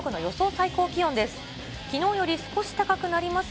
最高気温です。